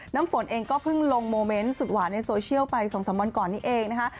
น้ำฝนเองก็เพิ่งลงโมเมนต์สุดหวานในโซเชียลไป๒๓วันก่อนนี้เองนะคะ